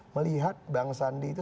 melihat bang sandi itu